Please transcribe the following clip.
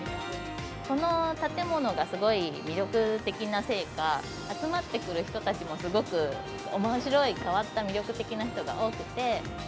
この建物がすごい魅力的なせいか、集まってくる人たちも、すごくおもしろい変わった魅力的な人が多くて。